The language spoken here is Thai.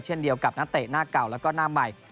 เช่นเดียวกับนักเตะหน้าเก่าแล้วก็หน้าใหม่